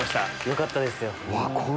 よかったです。